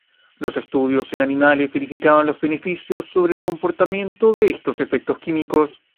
Los estudios en animales verifican los beneficios sobre el comportamiento de estos efectos bioquímicos.